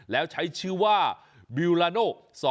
แล้วใช้ชื่อว่าบิลลาโน๒๕